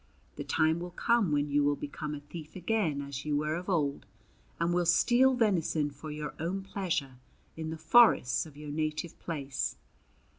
The time will come when you will become a thief again as you were of old, and will steal venison for your own pleasure in the forests of your native place."